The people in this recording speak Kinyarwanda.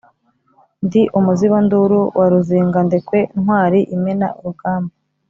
ndi umuzibanduru wa ruzingandekwe, ntwali imena urugamba